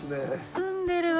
澄んでるわ。